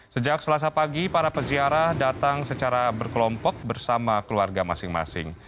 sejak selasa pagi para peziarah datang secara berkelompok bersama keluarga masing masing